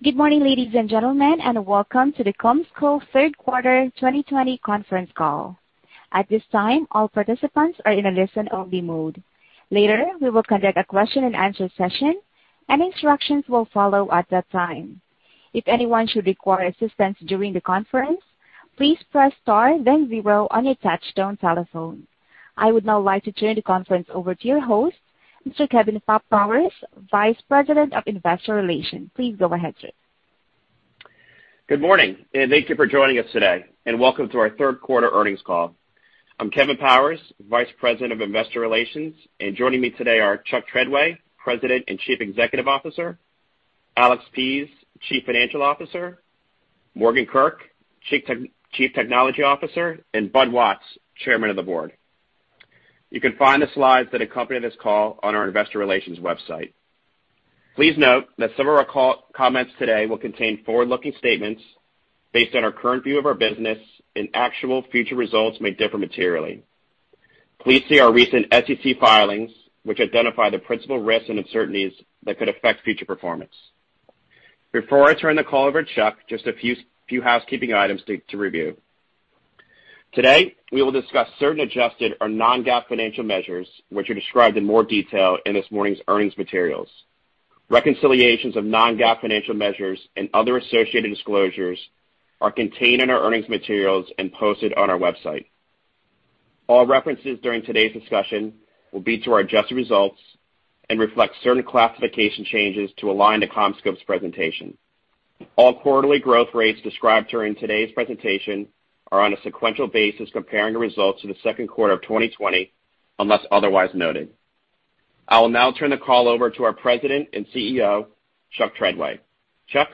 Good morning, ladies and gentlemen, and Welcome to the CommScope third quarter 2020 conference call. At this time, all participants are in a listen-only mode. Later, we will conduct a question and answer session, and instructions will follow at that time. If anyone should require assistance during the conference, please press star then zero on your touchtone telephone. I would now like to turn the conference over to your host, Mr. Kevin Powers, Vice President of Investor Relations. Please go ahead, sir. Good morning. Thank you for joining us today, and Welcome to our third quarter earnings call. I'm Kevin Powers, Vice President of Investor Relations, and joining me today are Charles Treadway, President and Chief Executive Officer, Alexander Pease, Chief Financial Officer, Morgan Kurk, Chief Technology Officer, and Claudius Watts, Chairman of the Board. You can find the slides that accompany this call on our investor relations website. Please note that some of our comments today will contain forward-looking statements based on our current view of our business and actual future results may differ materially. Please see our recent SEC filings, which identify the principal risks and uncertainties that could affect future performance. Before I turn the call over to Chuck, just a few housekeeping items to review. Today, we will discuss certain adjusted or non-GAAP financial measures, which are described in more detail in this morning's earnings materials. Reconciliations of non-GAAP financial measures and other associated disclosures are contained in our earnings materials and posted on our website. All references during today's discussion will be to our adjusted results and reflect certain classification changes to align to CommScope's presentation. All quarterly growth rates described during today's presentation are on a sequential basis comparing the results to the second quarter of 2020, unless otherwise noted. I will now turn the call over to our President and CEO, Charles Treadway. Chuck?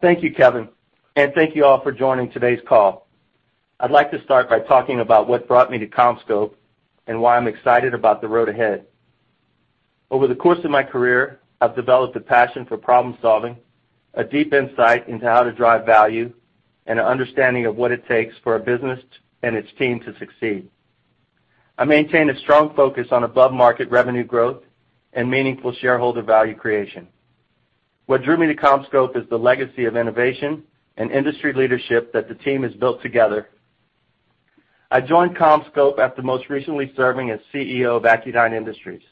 Thank you, Kevin, and thank you all for joining today's call. I'd like to start by talking about what brought me to CommScope and why I'm excited about the road ahead. Over the course of my career, I've developed a passion for problem-solving, a deep insight into how to drive value, and an understanding of what it takes for a business and its team to succeed. I maintain a strong focus on above-market revenue growth and meaningful shareholder value creation. What drew me to CommScope is the legacy of innovation and industry leadership that the team has built together. I joined CommScope after most recently serving as CEO of Accudyne Industries.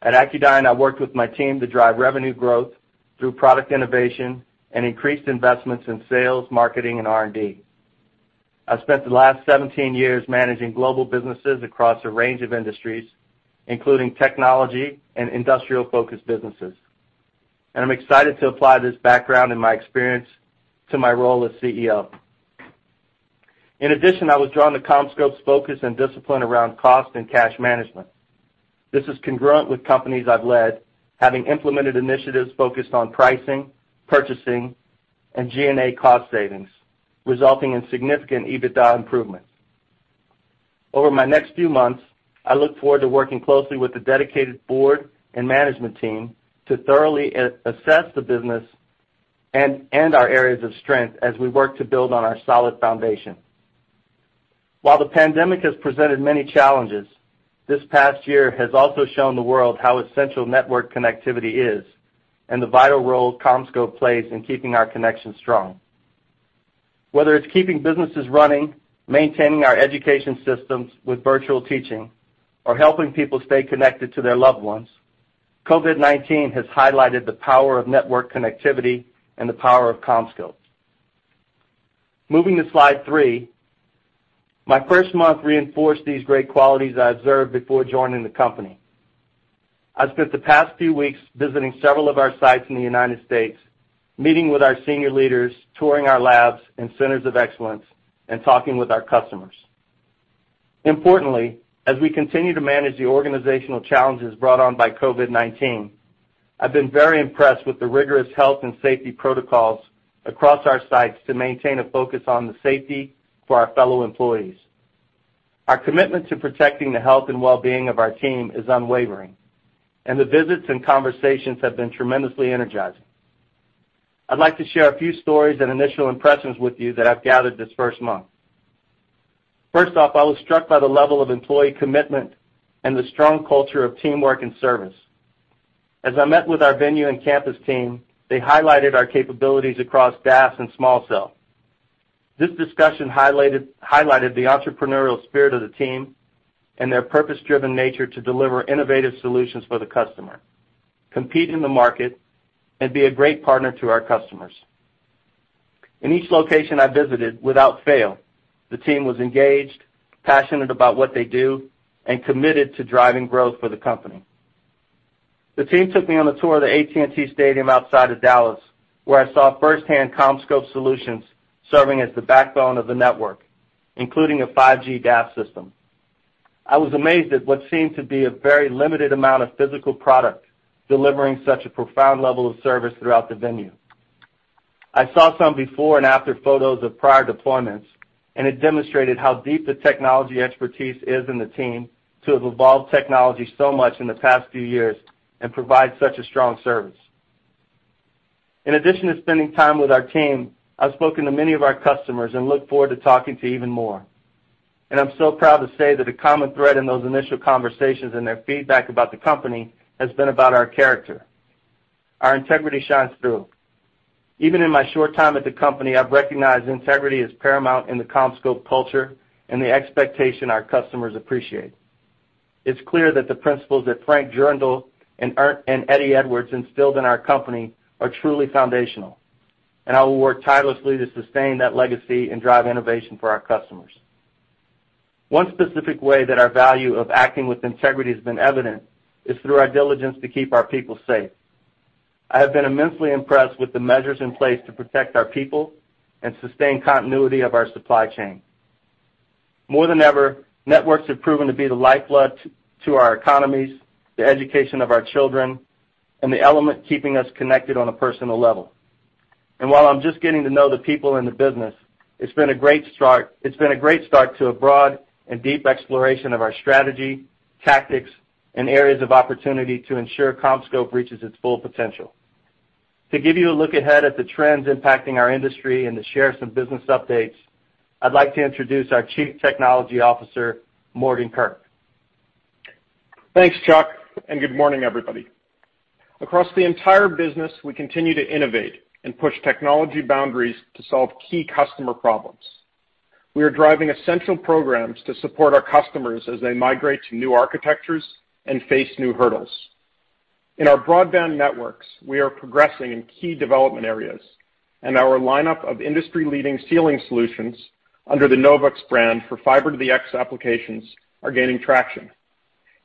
At Accudyne, I worked with my team to drive revenue growth through product innovation and increased investments in sales, marketing, and R&D. I've spent the last 17 years managing global businesses across a range of industries, including technology and industrial-focused businesses, and I'm excited to apply this background and my experience to my role as CEO. In addition, I was drawn to CommScope's focus and discipline around cost and cash management. This is congruent with companies I've led, having implemented initiatives focused on pricing, purchasing, and G&A cost savings, resulting in significant EBITDA improvements. Over my next few months, I look forward to working closely with the dedicated board and management team to thoroughly assess the business and our areas of strength as we work to build on our solid foundation. While the pandemic has presented many challenges, this past year has also shown the world how essential network connectivity is and the vital role CommScope plays in keeping our connection strong. Whether it's keeping businesses running, maintaining our education systems with virtual teaching, or helping people stay connected to their loved ones, COVID-19 has highlighted the power of network connectivity and the power of CommScope. Moving to slide three. My first month reinforced these great qualities I observed before joining the company. I've spent the past few weeks visiting several of our sites in the United States, meeting with our senior leaders, touring our labs and centers of excellence, and talking with our customers. Importantly, as we continue to manage the organizational challenges brought on by COVID-19, I've been very impressed with the rigorous health and safety protocols across our sites to maintain a focus on the safety for our fellow employees. Our commitment to protecting the health and wellbeing of our team is unwavering, and the visits and conversations have been tremendously energizing. I'd like to share a few stories and initial impressions with you that I've gathered this first month. First off, I was struck by the level of employee commitment and the strong culture of teamwork and service. As I met with our venue and campus team, they highlighted our capabilities across DAS and small cell. This discussion highlighted the entrepreneurial spirit of the team and their purpose-driven nature to deliver innovative solutions for the customer, compete in the market, and be a great partner to our customers. In each location I visited, without fail, the team was engaged, passionate about what they do and committed to driving growth for the company. The team took me on a tour of the AT&T Stadium outside of Dallas, where I saw firsthand CommScope solutions serving as the backbone of the network, including a 5G DAS system. I was amazed at what seemed to be a very limited amount of physical product delivering such a profound level of service throughout the venue. It demonstrated how deep the technology expertise is in the team to have evolved technology so much in the past few years and provide such a strong service. In addition to spending time with our team, I've spoken to many of our customers and look forward to talking to even more. I'm so proud to say that the common thread in those initial conversations and their feedback about the company has been about our character. Our integrity shines through. Even in my short time at the company, I've recognized integrity is paramount in the CommScope culture and the expectation our customers appreciate. It's clear that the principles that Frank Drendel and Eddie Edwards instilled in our company are truly foundational, and I will work tirelessly to sustain that legacy and drive innovation for our customers. One specific way that our value of acting with integrity has been evident is through our diligence to keep our people safe. I have been immensely impressed with the measures in place to protect our people and sustain continuity of our supply chain. More than ever, networks have proven to be the lifeblood to our economies, the education of our children, and the element keeping us connected on a personal level. While I'm just getting to know the people in the business, it's been a great start to a broad and deep exploration of our strategy, tactics, and areas of opportunity to ensure CommScope reaches its full potential. To give you a look ahead at the trends impacting our industry and to share some business updates, I'd like to introduce our Chief Technology Officer, Morgan Kurk. Thanks, Chuck, good morning, everybody. Across the entire business, we continue to innovate and push technology boundaries to solve key customer problems. We are driving essential programs to support our customers as they migrate to new architectures and face new hurdles. In our broadband networks, we are progressing in key development areas, and our lineup of industry-leading cabling solutions under the NOVUX brand for FTTX applications are gaining traction.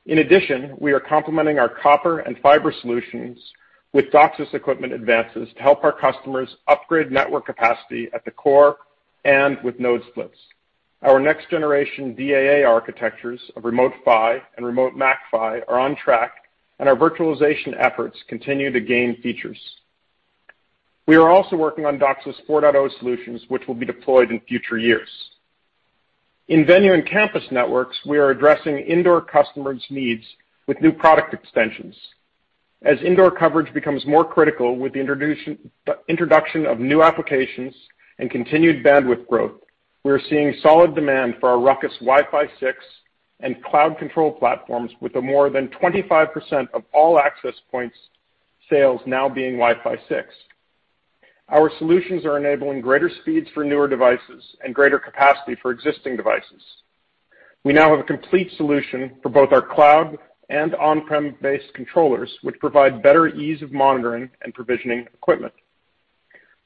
In addition, we are complementing our copper and fiber solutions with DOCSIS equipment advances to help our customers upgrade network capacity at the core and with node splits. Our next-generation DAA architectures of Remote PHY and Remote MAC-PHY are on track, and our virtualization efforts continue to gain features. We are also working on DOCSIS 4.0 solutions which will be deployed in future years. In venue and campus networks, we are addressing indoor customers needs with new product extensions. As indoor coverage becomes more critical with the introduction of new applications and continued bandwidth growth, we are seeing solid demand for our Ruckus Wi-Fi 6 and cloud control platforms with a more than 25% of all access points sales now being Wi-Fi 6. Our solutions are enabling greater speeds for newer devices and greater capacity for existing devices. We now have a complete solution for both our cloud and on-premise-based controllers, which provide better ease of monitoring and provisioning equipment.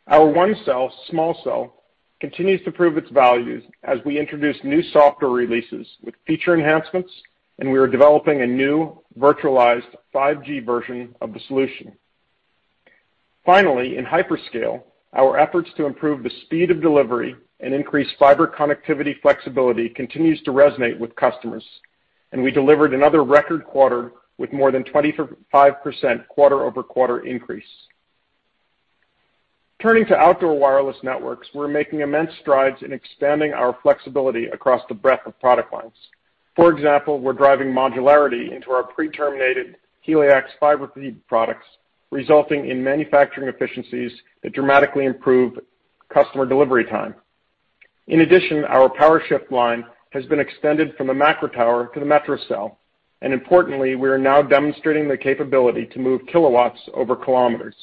Our ONECELL small cell continues to prove its value as we introduce new software releases with feature enhancements, and we are developing a new virtualized 5G version of the solution. Finally, in hyperscale, our efforts to improve the speed of delivery and increase fiber connectivity flexibility continues to resonate with customers, and we delivered another record quarter with more than 25% quarter-over-quarter increase. Turning to outdoor wireless networks, we're making immense strides in expanding our flexibility across the breadth of product lines. For example, we're driving modularity into our pre-terminated HELIAX fiber feed products, resulting in manufacturing efficiencies that dramatically improve customer delivery time. In addition, our PowerShift line has been extended from the macro tower to the metro cell, and importantly, we are now demonstrating the capability to move kilowatts over kilometers.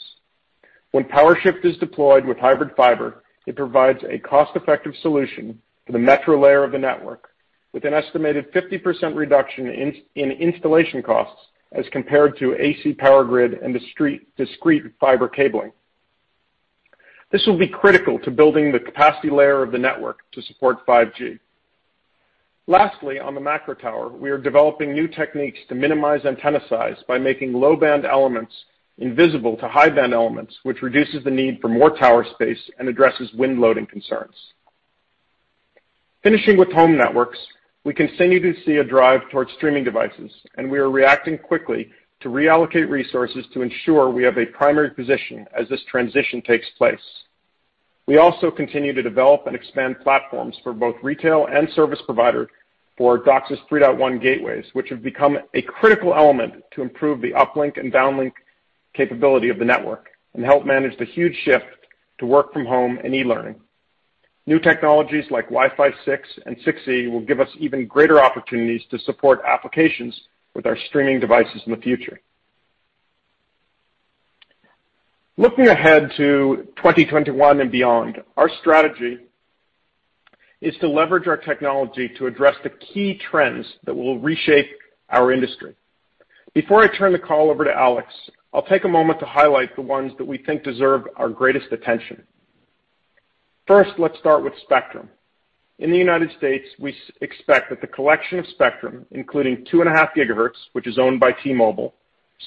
When PowerShift is deployed with hybrid fiber, it provides a cost-effective solution for the metro layer of the network with an estimated 50% reduction in installation costs as compared to AC power grid and discrete fiber cabling. This will be critical to building the capacity layer of the network to support 5G. Lastly, on the macro tower, we are developing new techniques to minimize antenna size by making low-band elements invisible to high-band elements, which reduces the need for more tower space and addresses wind loading concerns. Finishing with home networks, we continue to see a drive towards streaming devices, and we are reacting quickly to reallocate resources to ensure we have a primary position as this transition takes place. We also continue to develop and expand platforms for both retail and service provider for DOCSIS 3.1 gateways, which have become a critical element to improve the uplink and downlink capability of the network and help manage the huge shift to work from home and e-learning. New technologies like Wi-Fi 6 and 6E will give us even greater opportunities to support applications with our streaming devices in the future. Looking ahead to 2021 and beyond, our strategy is to leverage our technology to address the key trends that will reshape our industry. Before I turn the call over to Alex, I'll take a moment to highlight the ones that we think deserve our greatest attention. First, let's start with spectrum. In the U.S., we expect that the collection of spectrum, including 2.5 GHz, which is owned by T-Mobile,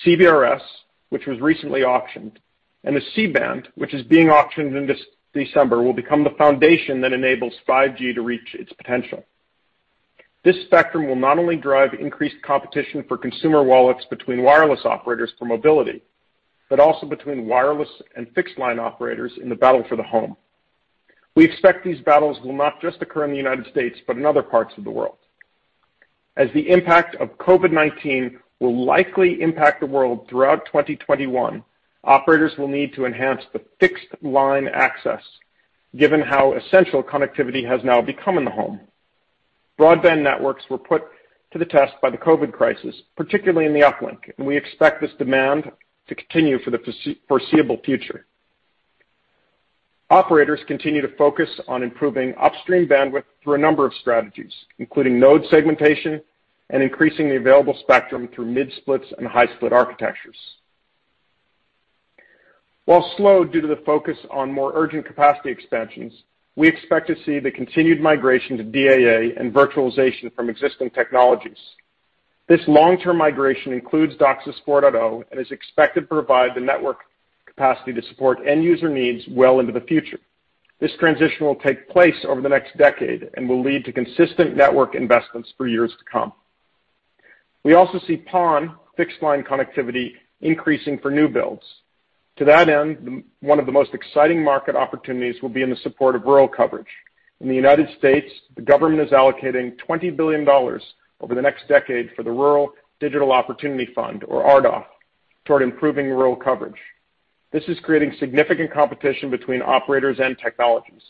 CBRS, which was recently auctioned, and the C-band, which is being auctioned in December, will become the foundation that enables 5G to reach its potential. This spectrum will not only drive increased competition for consumer wallets between wireless operators for mobility, but also between wireless and fixed line operators in the battle for the home. We expect these battles will not just occur in the United States, but in other parts of the world. As the impact of COVID-19 will likely impact the world throughout 2021, operators will need to enhance the fixed line access given how essential connectivity has now become in the home. Broadband networks were put to the test by the COVID crisis, particularly in the uplink, and we expect this demand to continue for the foreseeable future. Operators continue to focus on improving upstream bandwidth through a number of strategies, including node segmentation and increasing the available spectrum through mid-splits and high-split architectures. While slow due to the focus on more urgent capacity expansions, we expect to see the continued migration to DAA and virtualization from existing technologies. This long-term migration includes DOCSIS 4.0 and is expected to provide the network capacity to support end-user needs well into the future. This transition will take place over the next decade and will lead to consistent network investments for years to come. We also see PON fixed line connectivity increasing for new builds. To that end, one of the most exciting market opportunities will be in the support of rural coverage. In the U.S., the government is allocating $20 billion over the next decade for the Rural Digital Opportunity Fund, or RDOF, toward improving rural coverage. This is creating significant competition between operators and technologies.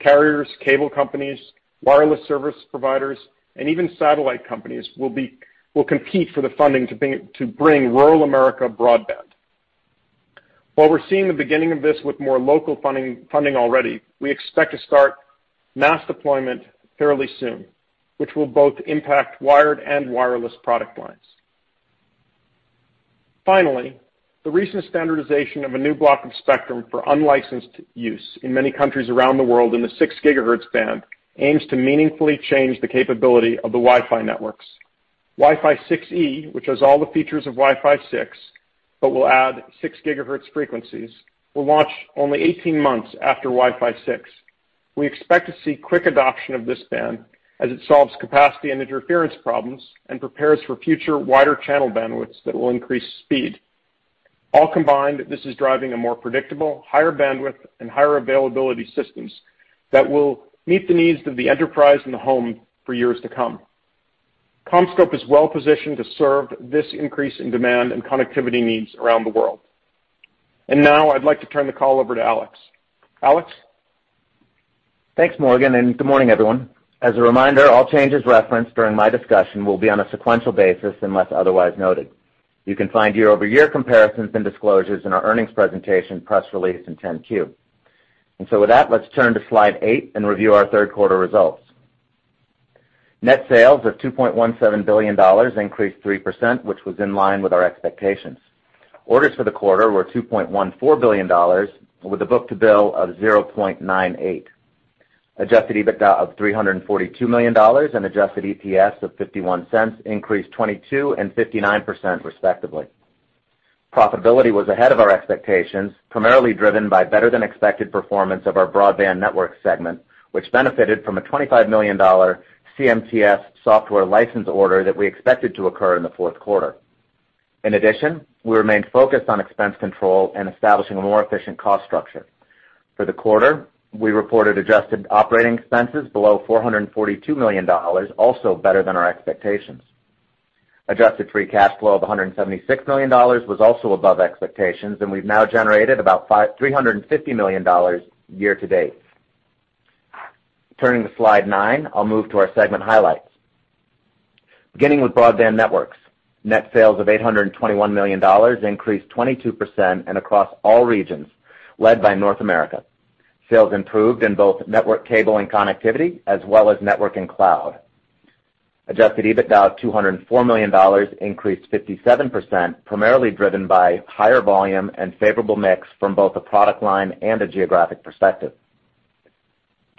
Carriers, cable companies, wireless service providers, and even satellite companies will compete for the funding to bring rural America broadband. While we're seeing the beginning of this with more local funding already, we expect to start mass deployment fairly soon, which will both impact wired and wireless product lines. The recent standardization of a new block of spectrum for unlicensed use in many countries around the world in the 6 GHz band aims to meaningfully change the capability of the Wi-Fi networks. Wi-Fi 6E, which has all the features of Wi-Fi 6 but will add 6 GHz frequencies, will launch only 18 months after Wi-Fi 6. We expect to see quick adoption of this band as it solves capacity and interference problems and prepares for future wider channel bandwidths that will increase speed. All combined, this is driving a more predictable, higher bandwidth, and higher availability systems that will meet the needs of the enterprise and the home for years to come. CommScope is well positioned to serve this increase in demand and connectivity needs around the world. Now I'd like to turn the call over to Alex. Alex? Thanks, Morgan. Good morning, everyone. As a reminder, all changes referenced during my discussion will be on a sequential basis unless otherwise noted. You can find year-over-year comparisons and disclosures in our earnings presentation, press release, and 10-Q. With that, let's turn to slide eight and review our third quarter results. Net sales of $2.17 billion increased 3%, which was in line with our expectations. Orders for the quarter were $2.14 billion, with a book to bill of 0.98. Adjusted EBITDA of $342 million and adjusted EPS of $0.51 increased 22% and 59%, respectively. Profitability was ahead of our expectations, primarily driven by better than expected performance of our Broadband Network segment, which benefited from a $25 million CMTS software license order that we expected to occur in the fourth quarter. In addition, we remained focused on expense control and establishing a more efficient cost structure. For the quarter, we reported adjusted operating expenses below $442 million, also better than our expectations. Adjusted free cash flow of $176 million was also above expectations, and we've now generated about $350 million year to date. Turning to slide nine, I'll move to our segment highlights. Beginning with Broadband Networks. Net sales of $821 million increased 22% across all regions, led by North America. Sales improved in both network cable and connectivity, as well as network and cloud. Adjusted EBITDA of $204 million increased 57%, primarily driven by higher volume and favorable mix from both a product line and a geographic perspective.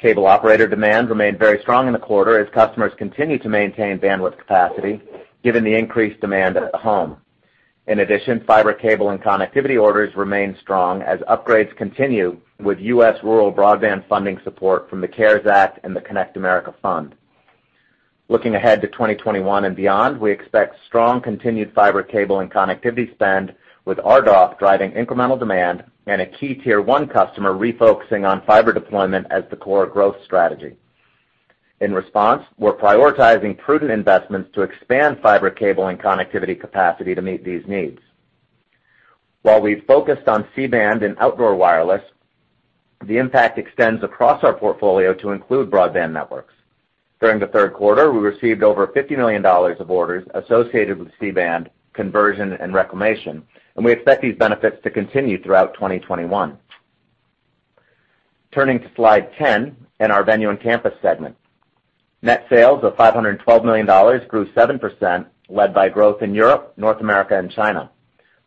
Cable operator demand remained very strong in the quarter as customers continued to maintain bandwidth capacity given the increased demand at home. In addition, fiber cable and connectivity orders remained strong as upgrades continue with U.S. rural broadband funding support from the CARES Act and the Connect America Fund. Looking ahead to 2021 and beyond, we expect strong continued fiber cable and connectivity spend, with RDOF driving incremental demand and a key tier one customer refocusing on fiber deployment as the core growth strategy. In response, we're prioritizing prudent investments to expand fiber cable and connectivity capacity to meet these needs. While we've focused on C-band and outdoor wireless, the impact extends across our portfolio to include broadband networks. During the third quarter, we received over $50 million of orders associated with C-band conversion and reclamation, and we expect these benefits to continue throughout 2021. Turning to slide 10 and our venue and campus segment. Net sales of $512 million grew 7%, led by growth in Europe, North America, and China.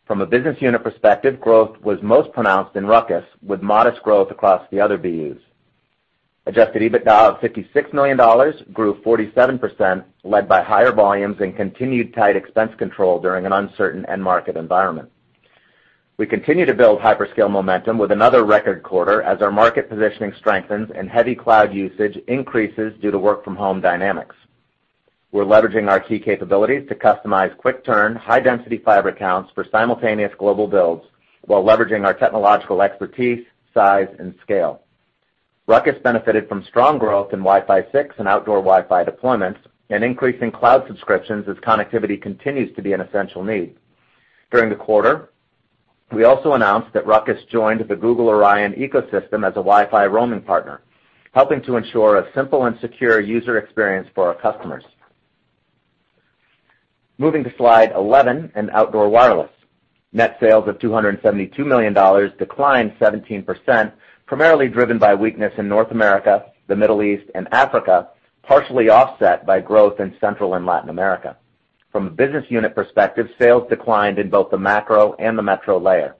From a Business Unit perspective, growth was most pronounced in Ruckus, with modest growth across the other BUs. Adjusted EBITDA of $56 million grew 47%, led by higher volumes and continued tight expense control during an uncertain end market environment. We continue to build hyperscale momentum with another record quarter as our market positioning strengthens and heavy cloud usage increases due to work-from-home dynamics. We're leveraging our key capabilities to customize quick-turn, high-density fiber counts for simultaneous global builds while leveraging our technological expertise, size, and scale. Ruckus benefited from strong growth in Wi-Fi 6 and outdoor Wi-Fi deployments and increasing cloud subscriptions as connectivity continues to be an essential need. During the quarter, we also announced that Ruckus joined the Google Orion Wifi ecosystem as a Wi-Fi roaming partner, helping to ensure a simple and secure user experience for our customers. Moving to slide 11 and outdoor wireless. Net sales of $272 million, decline 17%, primarily driven by weakness in North America, the Middle East, and Africa, partially offset by growth in Central and Latin America. From a business unit perspective, sales declined in both the macro and the metro layer.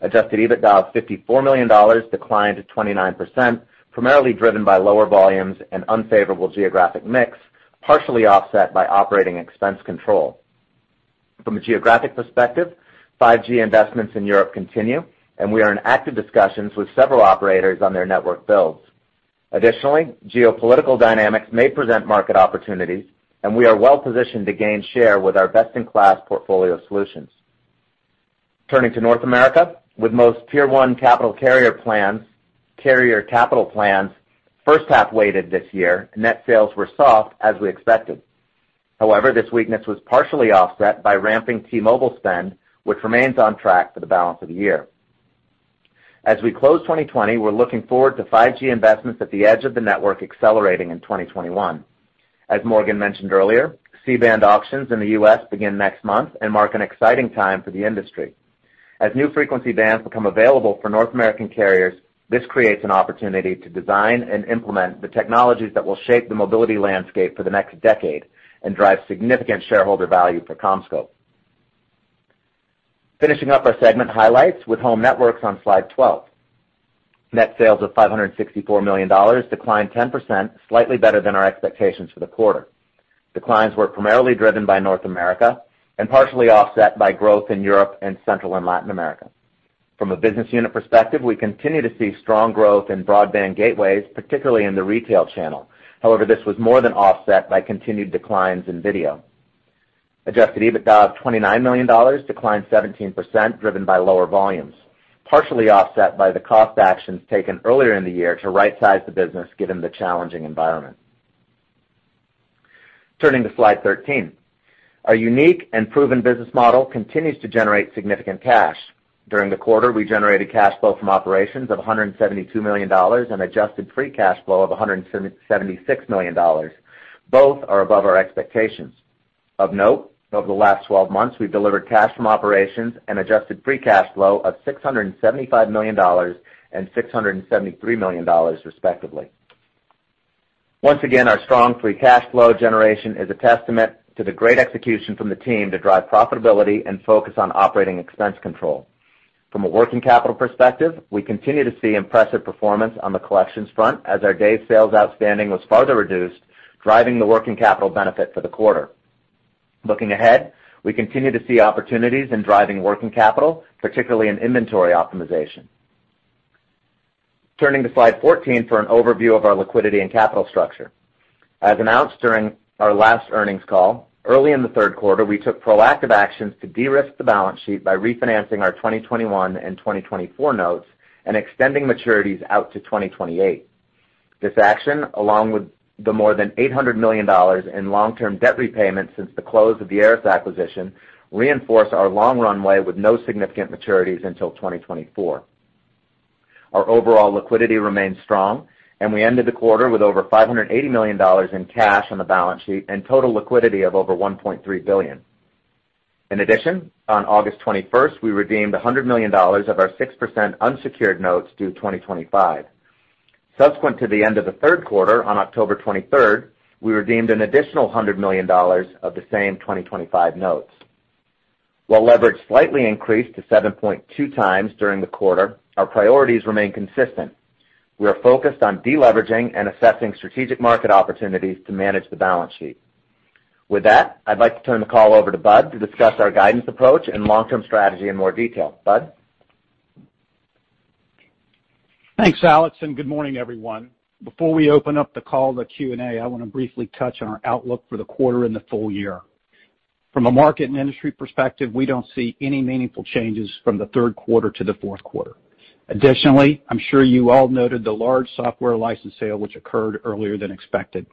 Adjusted EBITDA of $54 million, decline to 29%, primarily driven by lower volumes and unfavorable geographic mix, partially offset by operating expense control. From a geographic perspective, 5G investments in Europe continue, and we are in active discussions with several operators on their network builds. Additionally, geopolitical dynamics may present market opportunities, and we are well-positioned to gain share with our best-in-class portfolio solutions. Turning to North America, with most tier one carrier capital plans first half weighted this year, net sales were soft as we expected. However, this weakness was partially offset by ramping T-Mobile spend, which remains on track for the balance of the year. As we close 2020, we're looking forward to 5G investments at the edge of the network accelerating in 2021. Morgan mentioned earlier, C-band auctions in the U.S. begin next month and mark an exciting time for the industry. New frequency bands become available for North American carriers, this creates an opportunity to design and implement the technologies that will shape the mobility landscape for the next decade and drive significant shareholder value for CommScope. Finishing up our segment highlights with home networks on slide 12. Net sales of $564 million, decline 10%, slightly better than our expectations for the quarter. Declines were primarily driven by North America and partially offset by growth in Europe and Central and Latin America. From a business unit perspective, we continue to see strong growth in broadband gateways, particularly in the retail channel. However, this was more than offset by continued declines in video. Adjusted EBITDA of $29 million, decline 17%, driven by lower volumes, partially offset by the cost actions taken earlier in the year to right-size the business given the challenging environment. Turning to slide 13. Our unique and proven business model continues to generate significant cash. During the quarter, we generated cash flow from operations of $172 million and adjusted free cash flow of $176 million. Both are above our expectations. Of note, over the last 12 months, we've delivered cash from operations and adjusted free cash flow of $675 million and $673 million, respectively. Once again, our strong free cash flow generation is a testament to the great execution from the team to drive profitability and focus on operating expense control. From a working capital perspective, we continue to see impressive performance on the collections front as our day sales outstanding was further reduced, driving the working capital benefit for the quarter. Looking ahead, we continue to see opportunities in driving working capital, particularly in inventory optimization. Turning to slide 14 for an overview of our liquidity and capital structure. As announced during our last earnings call, early in the third quarter, we took proactive actions to de-risk the balance sheet by refinancing our 2021 and 2024 notes and extending maturities out to 2028. This action, along with the more than $800 million in long-term debt repayment since the close of the ARRIS acquisition, reinforce our long runway with no significant maturities until 2024. Our overall liquidity remains strong, and we ended the quarter with over $580 million in cash on the balance sheet and total liquidity of over $1.3 billion. In addition, on August 21st, we redeemed $100 million of our 6% unsecured notes due 2025. Subsequent to the end of the third quarter on October 23rd, we redeemed an additional $100 million of the same 2025 notes. While leverage slightly increased to 7.2x during the quarter, our priorities remain consistent. We are focused on de-leveraging and assessing strategic market opportunities to manage the balance sheet. With that, I'd like to turn the call over to Bud to discuss our guidance approach and long-term strategy in more detail. Bud? Thanks, Alex. Good morning, everyone. Before we open up the call to Q&A, I want to briefly touch on our outlook for the quarter and the full year. From a market and industry perspective, we don't see any meaningful changes from the third quarter to the fourth quarter. Additionally, I'm sure you all noted the large software license sale, which occurred earlier than expected.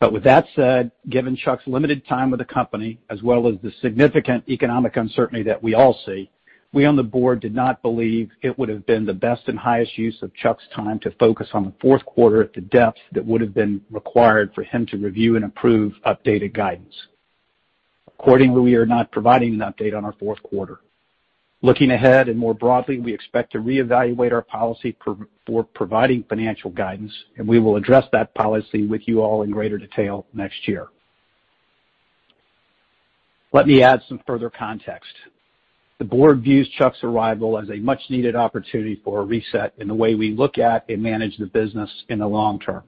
With that said, given Chuck's limited time with the company, as well as the significant economic uncertainty that we all see, we on the board did not believe it would have been the best and highest use of Chuck's time to focus on the fourth quarter at the depth that would've been required for him to review and approve updated guidance. Accordingly, we are not providing an update on our fourth quarter. Looking ahead more broadly, we expect to reevaluate our policy for providing financial guidance. We will address that policy with you all in greater detail next year. Let me add some further context. The Board views Chuck's arrival as a much-needed opportunity for a reset in the way we look at and manage the business in the long term.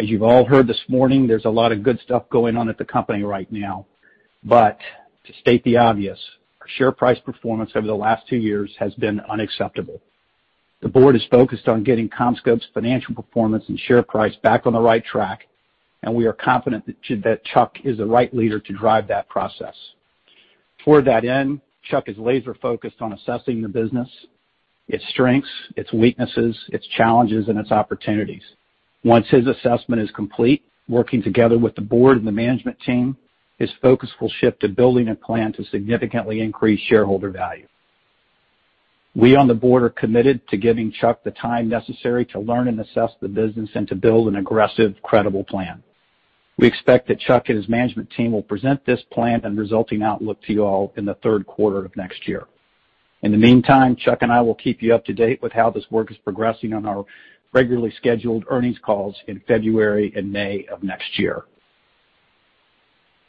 As you've all heard this morning, there's a lot of good stuff going on at the company right now. To state the obvious, our share price performance over the last two years has been unacceptable. The Board is focused on getting CommScope's financial performance and share price back on the right track. We are confident that Chuck is the right leader to drive that process. Toward that end, Chuck is laser focused on assessing the business, its strengths, its weaknesses, its challenges, and its opportunities. Once his assessment is complete, working together with the board and the management team, his focus will shift to building a plan to significantly increase shareholder value. We, on the board, are committed to giving Chuck the time necessary to learn and assess the business and to build an aggressive, credible plan. We expect that Chuck and his management team will present this plan and resulting outlook to you all in the third quarter of next year. In the meantime, Chuck and I will keep you up to date with how this work is progressing on our regularly scheduled earnings calls in February and May of next year.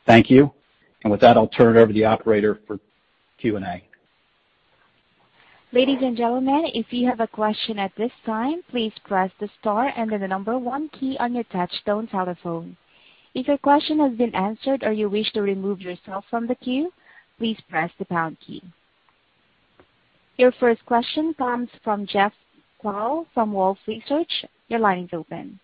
Thank you. With that, I'll turn it over to the operator for Q&A. Ladies and gentlemen, if you have a question at this time, please press the star and then the number one key on your touchtone telephone . If your question has been answered or you wish o remove yourself from the queue, please press the pound key. Your first question comes from Jeff Kvaal from Wolfe Research. Your line is open.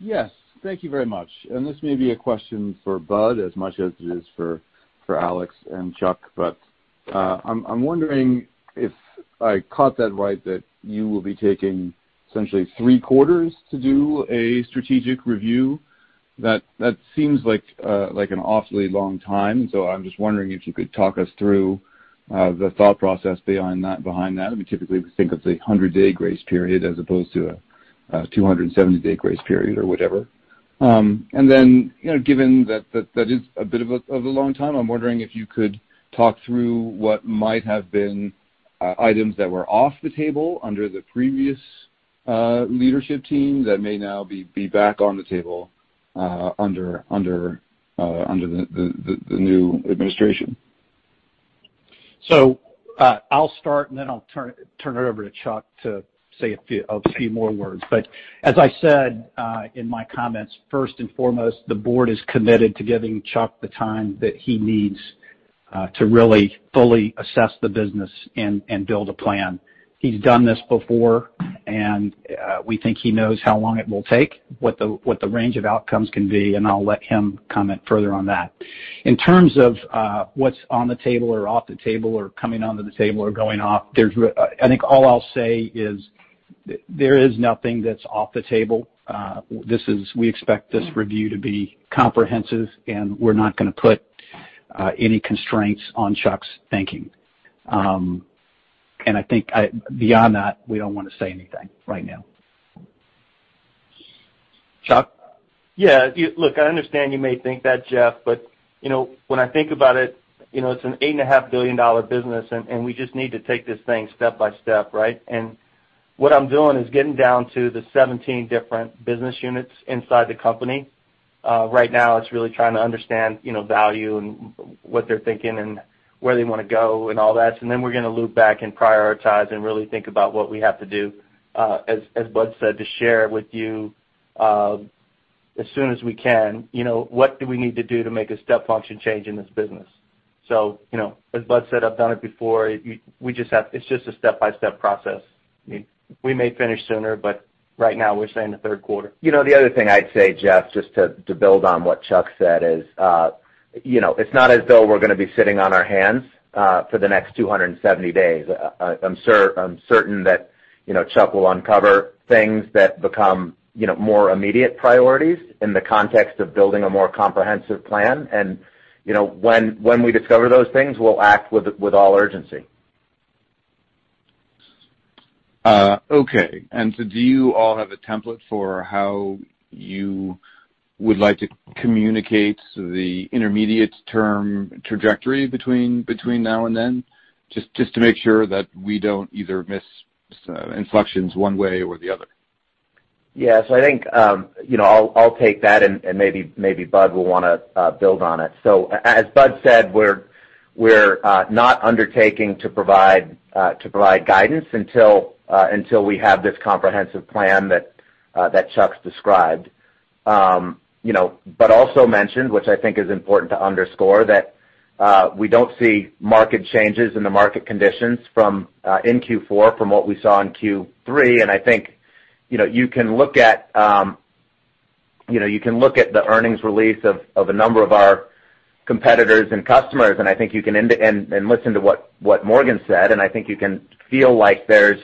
Yes. Thank you very much. This may be a question for Bud as much as it is for Alex and Chuck, but I'm wondering if I caught that right, that you will be taking essentially three quarters to do a strategic review. That seems like an awfully long time. I'm just wondering if you could talk us through the thought process behind that. We typically think of the 100-day grace period as opposed to a 270-day grace period or whatever. Given that is a bit of a long time, I'm wondering if you could talk through what might have been items that were off the table under the previous leadership team that may now be back on the table under the new administration. I'll start, and then I'll turn it over to Chuck to say a few more words. As I said in my comments, first and foremost, the board is committed to giving Chuck the time that he needs to really fully assess the business and build a plan. He's done this before, and we think he knows how long it will take, what the range of outcomes can be, and I'll let him comment further on that. In terms of what's on the table or off the table or coming onto the table or going off, I think all I'll say is there is nothing that's off the table. We expect this review to be comprehensive, and we're not going to put any constraints on Chuck's thinking. I think beyond that, we don't want to say anything right now. Chuck? Yeah, look, I understand you may think that, Jeff, when I think about it's an $8.5 billion business, we just need to take this thing step by step, right? What I'm doing is getting down to the 17 different business units inside the company. Right now it's really trying to understand value and what they're thinking and where they want to go and all that. Then we're going to loop back and prioritize and really think about what we have to do, as Bud said, to share with you as soon as we can. What do we need to do to make a step function change in this business? As Bud said, I've done it before. It's just a step-by-step process. We may finish sooner, right now we're saying the third quarter. The other thing I'd say, Jeff, just to build on what Chuck said, is it's not as though we're going to be sitting on our hands for the next 270 days. I'm certain that Chuck will uncover things that become more immediate priorities in the context of building a more comprehensive plan. When we discover those things, we'll act with all urgency. Okay. Do you all have a template for how you would like to communicate the intermediate term trajectory between now and then, just to make sure that we don't either miss inflections one way or the other? Yeah. I think I'll take that, and maybe Bud will want to build on it. As Bud said, we're not undertaking to provide guidance until we have this comprehensive plan that Chuck's described. Also mentioned, which I think is important to underscore, that we don't see market changes in the market conditions in Q4 from what we saw in Q3. I think you can look at the earnings release of a number of our competitors and customers, I think you can listen to what Morgan said, I think you can feel like there's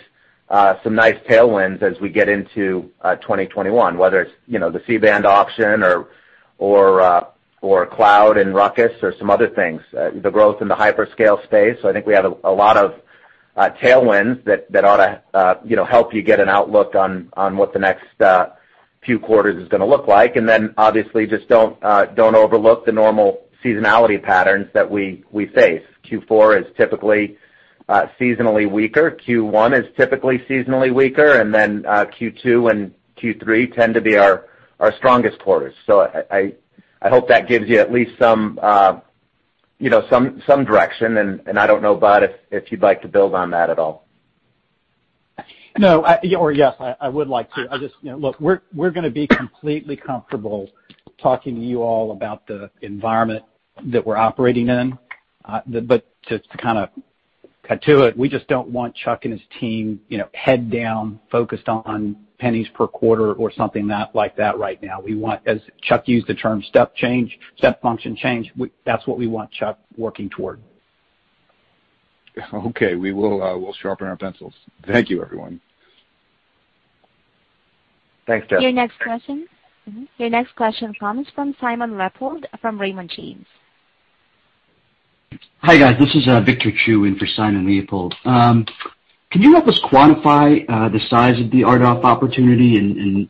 some nice tailwinds as we get into 2021, whether it's the C-band auction or cloud and Ruckus or some other things, the growth in the hyperscale space. I think we have a lot of tailwinds that ought to help you get an outlook on what the next few quarters is going to look like. Obviously, just don't overlook the normal seasonality patterns that we face. Q4 is typically seasonally weaker. Q1 is typically seasonally weaker. Q2 and Q3 tend to be our strongest quarters. I hope that gives you at least some direction. I don't know, Bud, if you'd like to build on that at all. No, or yes, I would like to. Look, we're going to be completely comfortable talking to you all about the environment that we're operating in. Cut to it. We just don't want Chuck and his team head down, focused on pennies per quarter or something like that right now. We want, as Chuck used the term, step change, step function change. That's what we want Chuck working toward. Okay. We will sharpen our pencils. Thank you, everyone. Thanks, Jeff. Your next question comes from Simon Leopold from Raymond James. Hi, guys. This is Victor Chu in for Simon Leopold. Can you help us quantify the size of the RDOF opportunity and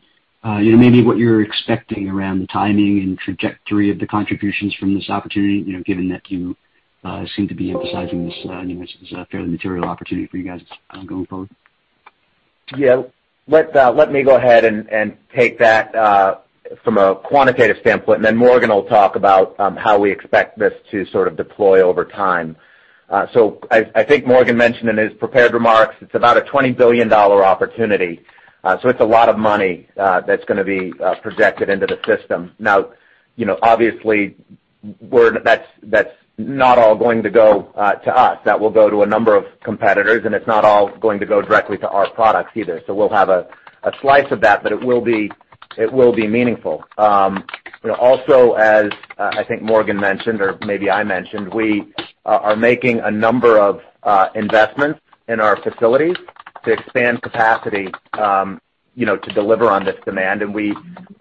maybe what you're expecting around the timing and trajectory of the contributions from this opportunity, given that you seem to be emphasizing this is a fairly material opportunity for you guys going forward? Yeah. Let me go ahead and take that from a quantitative standpoint, and then Morgan will talk about how we expect this to sort of deploy over time. I think Morgan mentioned in his prepared remarks, it's about a $20 billion opportunity. It's a lot of money that's going to be projected into the system. Now, obviously, that's not all going to go to us. That will go to a number of competitors, and it's not all going to go directly to our products either. We'll have a slice of that, but it will be meaningful. As I think Morgan mentioned, or maybe I mentioned, we are making a number of investments in our facilities to expand capacity to deliver on this demand. We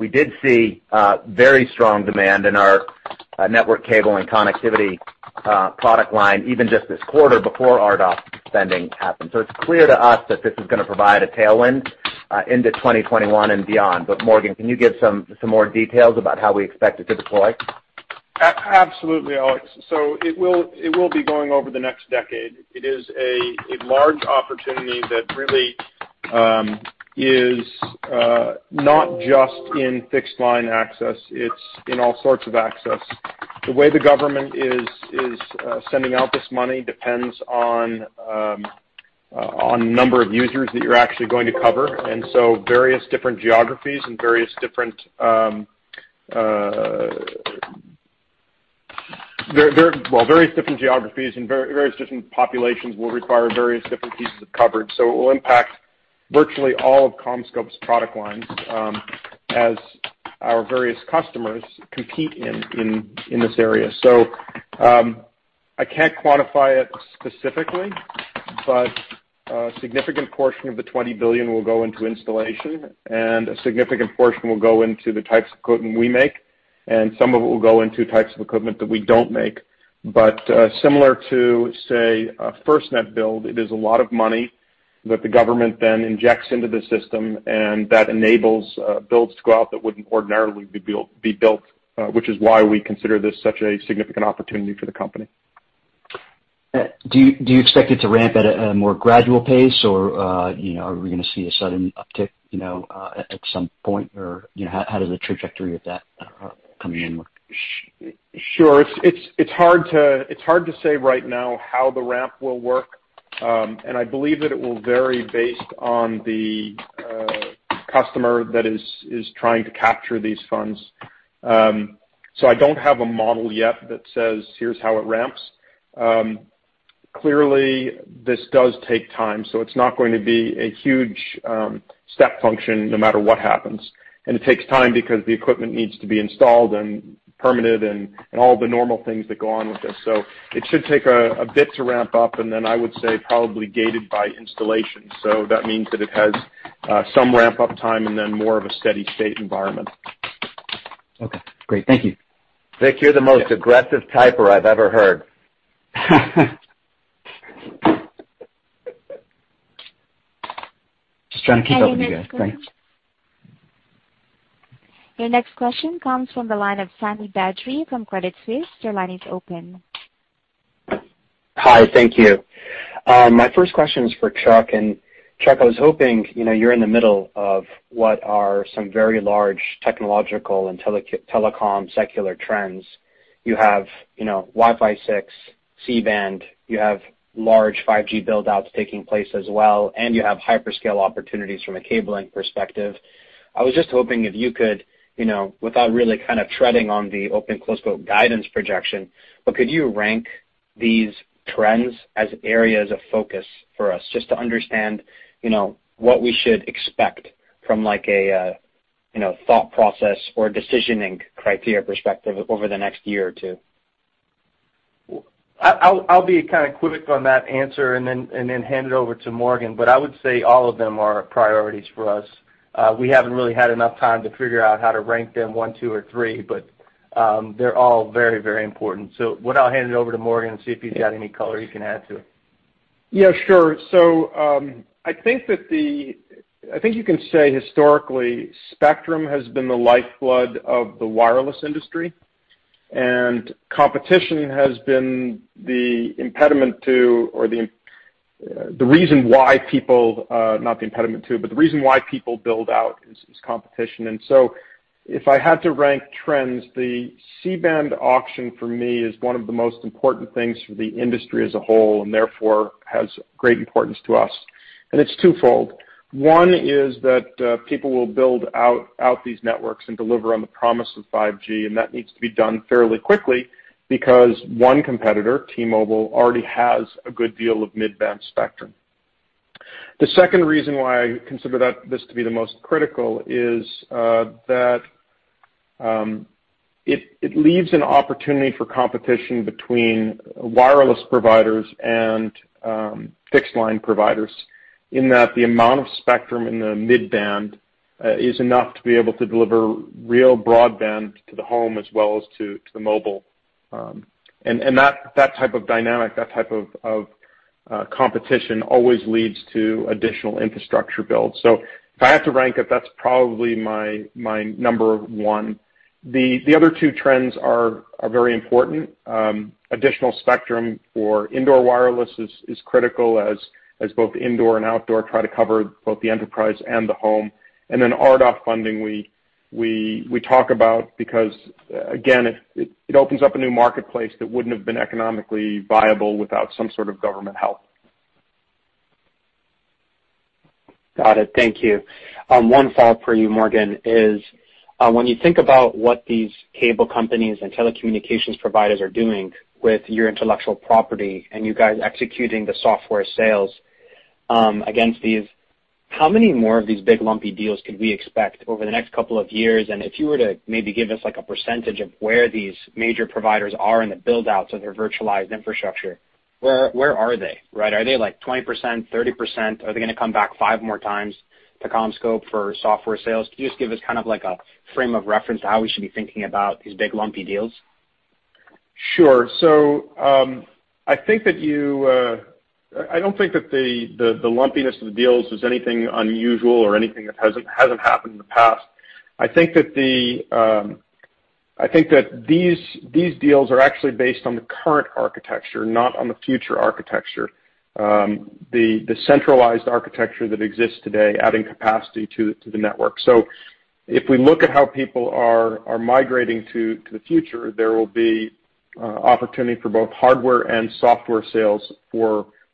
did see very strong demand in our network cable and connectivity product line, even just this quarter before RDOF spending happened. It's clear to us that this is going to provide a tailwind into 2021 and beyond. Morgan, can you give some more details about how we expect it to deploy? Absolutely, Alex. It will be going over the next decade. It is a large opportunity that really is not just in fixed line access, it's in all sorts of access. The way the government is sending out this money depends on number of users that you're actually going to cover. Various different geographies and various different populations will require various different pieces of coverage. It will impact virtually all of CommScope's product lines as our various customers compete in this area. I can't quantify it specifically, but a significant portion of the $20 billion will go into installation, and a significant portion will go into the types of equipment we make, and some of it will go into types of equipment that we don't make. Similar to, say, a FirstNet build, it is a lot of money that the government then injects into the system, that enables builds to go out that wouldn't ordinarily be built, which is why we consider this such a significant opportunity for the company. Do you expect it to ramp at a more gradual pace, or are we going to see a sudden uptick at some point? How does the trajectory of that come in? Sure. It's hard to say right now how the ramp will work. I believe that it will vary based on the customer that is trying to capture these funds. I don't have a model yet that says, "Here's how it ramps." Clearly, this does take time, so it's not going to be a huge step function no matter what happens. It takes time because the equipment needs to be installed and permanent and all the normal things that go on with this. It should take a bit to ramp up, and then I would say probably gated by installation. That means that it has some ramp up time and then more of a steady state environment. Okay, great. Thank you. Vic, you're the most aggressive typer I've ever heard. Just trying to keep up with you guys. Thanks. Your next question comes from the line of Sami Badri from Credit Suisse. Your line is open. Hi. Thank you. My first question is for Chuck. Chuck, I was hoping, you're in the middle of what are some very large technological and telecom secular trends. You have Wi-Fi 6, C-band, you have large 5G build-outs taking place as well, and you have hyperscale opportunities from a cabling perspective. I was just hoping if you could, without really kind of treading on the open, close quote, "Guidance projection," but could you rank these trends as areas of focus for us just to understand what we should expect from a thought process or decisioning criteria perspective over the next year or two? I'll be kind of quick on that answer and then hand it over to Morgan. I would say all of them are priorities for us. We haven't really had enough time to figure out how to rank them one, two, or three, but they're all very important. I'll hand it over to Morgan and see if he's got any color he can add to it. Yeah, sure. I think you can say historically, spectrum has been the lifeblood of the wireless industry, and competition has been the impediment to, or the reason why people, not the impediment to, but the reason why people build out is competition. If I had to rank trends, the C-band auction for me is one of the most important things for the industry as a whole, and therefore has great importance to us. It's twofold. One is that people will build out these networks and deliver on the promise of 5G, and that needs to be done fairly quickly because one competitor, T-Mobile, already has a good deal of mid-band spectrum. The second reason why I consider this to be the most critical is that it leaves an opportunity for competition between wireless providers and fixed-line providers in that the amount of spectrum in the mid-band is enough to be able to deliver real broadband to the home as well as to the mobile. That type of dynamic, that type of competition always leads to additional infrastructure build. If I have to rank it, that's probably my number one. The other two trends are very important. Additional spectrum for indoor wireless is critical as both indoor and outdoor try to cover both the enterprise and the home. RDOF funding we talk about because, again, it opens up a new marketplace that wouldn't have been economically viable without some sort of government help. Got it. Thank you. One follow-up for you, Morgan, is when you think about what these cable companies and telecommunications providers are doing with your intellectual property and you guys executing the software sales against these, how many more of these big lumpy deals could we expect over the next couple of years? If you were to maybe give us a percentage of where these major providers are in the build-outs of their virtualized infrastructure, where are they? Are they like 20%, 30%? Are they going to come back five more times to CommScope for software sales? Could you just give us a frame of reference to how we should be thinking about these big lumpy deals? Sure. I don't think that the lumpiness of the deals was anything unusual or anything that hasn't happened in the past. I think that these deals are actually based on the current architecture, not on the future architecture, the centralized architecture that exists today, adding capacity to the network. If we look at how people are migrating to the future, there will be opportunity for both hardware and software sales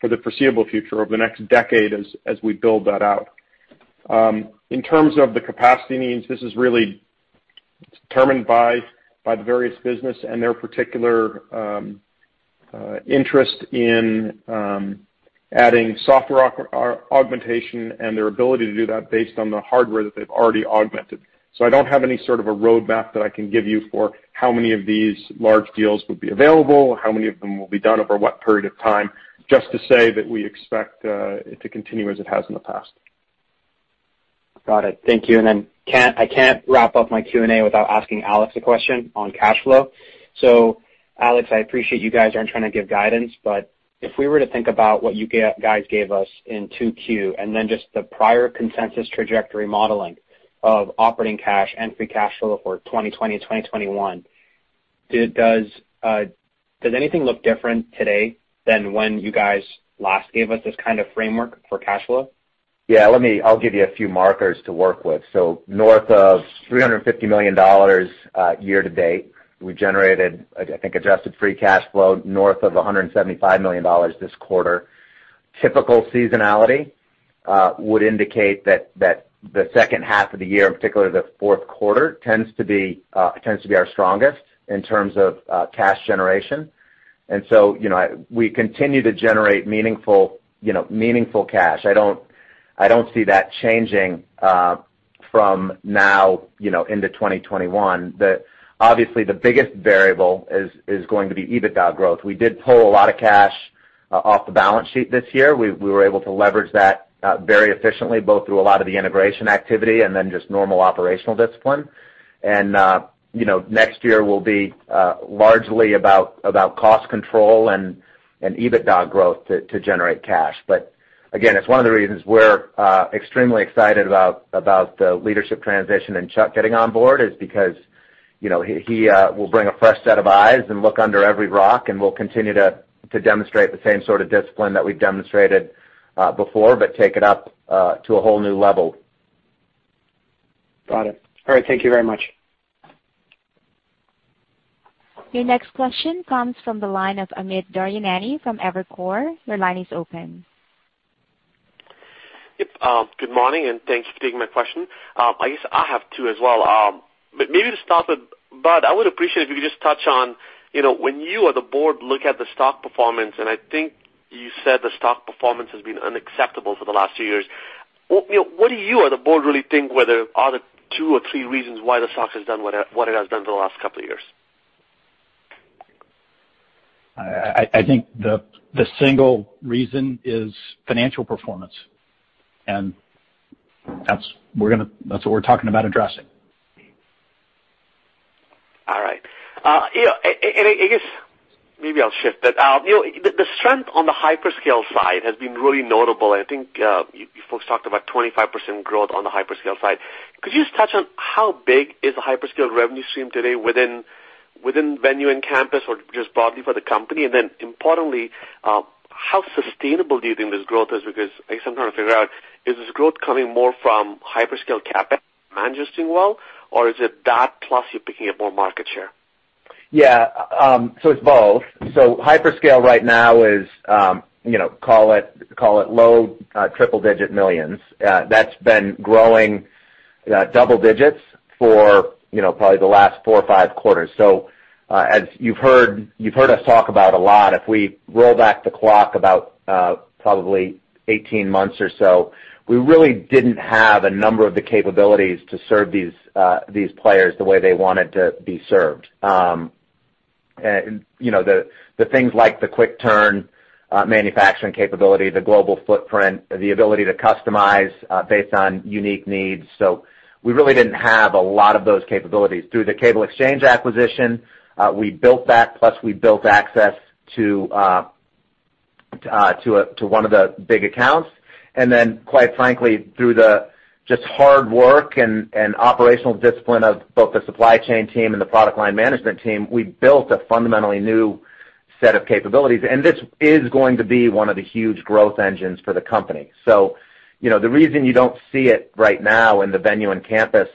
for the foreseeable future over the next decade as we build that out. In terms of the capacity needs, this is really determined by the various business and their particular interest in adding software augmentation and their ability to do that based on the hardware that they've already augmented. I don't have any sort of a roadmap that I can give you for how many of these large deals would be available, how many of them will be done over what period of time. Just to say that we expect it to continue as it has in the past. Got it. Thank you. Then I can't wrap up my Q&A without asking Alex a question on cash flow. Alex, I appreciate you guys aren't trying to give guidance, but if we were to think about what you guys gave us in 2Q and then just the prior consensus trajectory modeling of operating cash and free cash flow for 2020, 2021, does anything look different today than when you guys last gave us this kind of framework for cash flow? Yeah, I'll give you a few markers to work with. North of $350 million year to date, we generated, I think, adjusted free cash flow north of $175 million this quarter. Typical seasonality would indicate that the second half of the year, in particular the fourth quarter, tends to be our strongest in terms of cash generation. We continue to generate meaningful cash. I don't see that changing from now into 2021. Obviously, the biggest variable is going to be EBITDA growth. We did pull a lot of cash off the balance sheet this year. We were able to leverage that very efficiently, both through a lot of the integration activity and then just normal operational discipline. Next year will be largely about cost control and EBITDA growth to generate cash. Again, it's one of the reasons we're extremely excited about the leadership transition and Chuck getting on board is because he will bring a fresh set of eyes and look under every rock, and we'll continue to demonstrate the same sort of discipline that we've demonstrated before, but take it up to a whole new level. Got it. All right. Thank you very much. Your next question comes from the line of Amit Daryanani from Evercore. Your line is open. Yep. Good morning, and thanks for taking my question. I guess I have two as well. Maybe to start with Bud, I would appreciate if you could just touch on, when you or the board look at the stock performance, and I think you said the stock performance has been unacceptable for the last two years, what do you or the board really think whether are the two or three reasons why the stock has done what it has done for the last couple of years? I think the single reason is financial performance, and that's what we're talking about addressing. All right. I guess maybe I'll shift it. The strength on the hyperscale side has been really notable, and I think you folks talked about 25% growth on the hyperscale side. Could you just touch on how big is the hyperscale revenue stream today within Venue and Campus, or just broadly for the company? Importantly, how sustainable do you think this growth is? I guess I'm trying to figure out, is this growth coming more from hyperscale CapEx managing well, or is it that plus you're picking up more market share? Yeah. It's both. Hyperscale right now is, call it low triple digit millions. That's been growing double digits for probably the last four or five quarters. As you've heard us talk about a lot, if we roll back the clock about probably 18 months or so, we really didn't have a number of the capabilities to serve these players the way they wanted to be served, the things like the quick turn manufacturing capability, the global footprint, the ability to customize based on unique needs. We really didn't have a lot of those capabilities. Through the Cable Exchange acquisition, we built that, plus we built access to one of the big accounts. Quite frankly, through the just hard work and operational discipline of both the supply chain team and the product line management team, we've built a fundamentally new set of capabilities. This is going to be one of the huge growth engines for the company. The reason you don't see it right now in the venue and campus